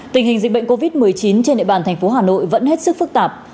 tình hình dịch bệnh covid một mươi chín trên địa bàn thành phố hà nội vẫn hết sức phức tạp